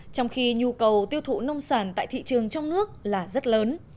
trong khi nhu cầu tiêu thụ nông sản tại thị trường trong nước là rất lớn